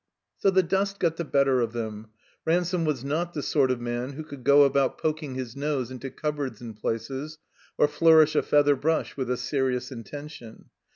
So the dust got the better of them. Ransome was not the sort of man who could go about poking his nose into cupboards and places, or flourish a feather brush with a serious intention.